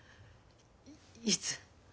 いつ？